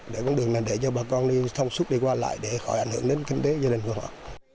để con đường này để cho bà con thông suốt đi qua lại để khỏi ảnh hưởng đến kinh tế gia đình của họ